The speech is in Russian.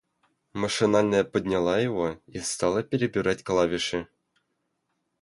Машинально подняла его и стала перебирать клавиши.